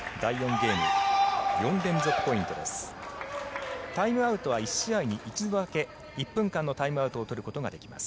タイムアウトは１試合に１度だけ１分間のタイムアウトを取ることができます。